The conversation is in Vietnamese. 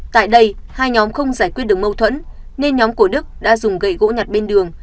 tại đây hai nhóm không giải quyết được mâu thuẫn nên nhóm của đức đã dùng gậy gỗ nhặt bên đường